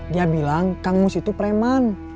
dia bilang kang mus itu preman